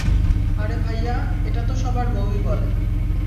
আরে ভাইয়া, এটা তো সবার বউই বলে।